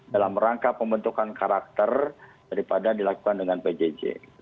dalam rangka pembentukan karakter daripada dilakukan dengan pjj